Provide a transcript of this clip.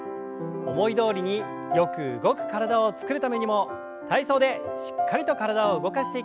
思いどおりによく動く体を作るためにも体操でしっかりと体を動かしていきましょう。